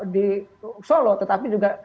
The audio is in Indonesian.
di solo tetapi juga